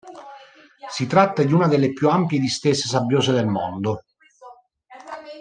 Si tratta di una delle più ampie distese sabbiose del mondo.